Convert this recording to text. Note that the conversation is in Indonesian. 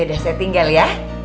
yaudah saya tinggal ya